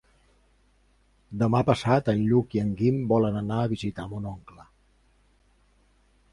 Demà passat en Lluc i en Guim volen anar a visitar mon oncle.